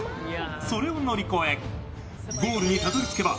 それを乗り越えゴールにたどり着けば